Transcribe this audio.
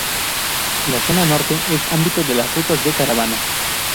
La zona norte es ámbito de las rutas de caravana.